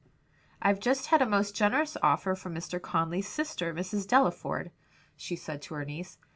"I've just had a most generous offer from Mr. Conly's sister, Mrs. Delaford," she said to her niece.